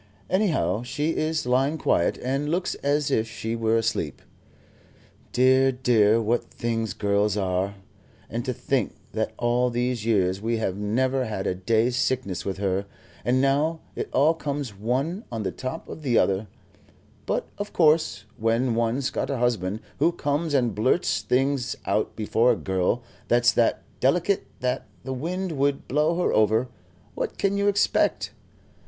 "Anyhow, she is lying quiet, and looks as if she were asleep. Dear, dear, what things girls are. And to think that all these years we have never had a day's sickness with her, and now it all comes one on the top of the other; but, of course, when one's got a husband who comes and blurts things out before a girl that's that delicate that the wind would blow her over, what can you expect?"